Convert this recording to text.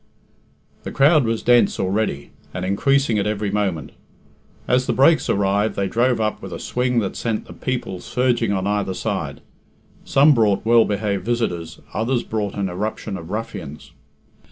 The crowd was dense already, and increasing at every moment. As the brakes arrived, they drove up with a swing that sent the people surging on either side. Some brought well behaved visitors, others brought an eruption of ruffians.